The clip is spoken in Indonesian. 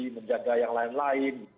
menjaga yang lain lain